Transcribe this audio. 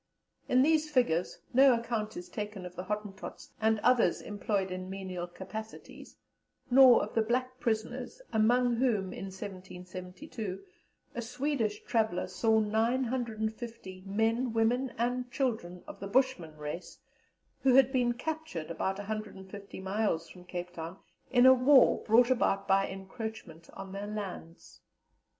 In these figures no account is taken of the Hottentots and others employed in menial capacities, nor of the black prisoners, among whom, in 1772, a Swedish traveller saw 950 men, women, and children of the Bushman race, who had been captured about a hundred and fifty miles from Cape Town in a war brought about by encroachment on their lands.